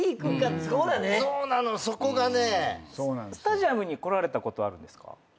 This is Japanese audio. スタジアムに来られたことあるんですか？